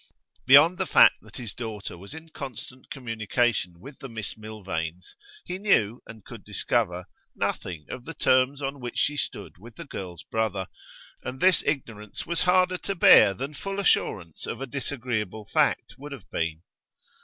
Beyond the fact that his daughter was in constant communication with the Miss Milvains, he knew, and could discover, nothing of the terms on which she stood with the girls' brother, and this ignorance was harder to bear than full assurance of a disagreeable fact would have been.